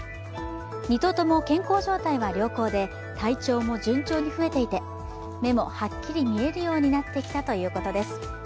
２頭とも健康状態は良好で体重も順調に増えていて目もはっきり見えるようになってきたということです。